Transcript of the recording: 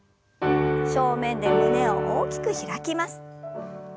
正面で胸を大きく開きます。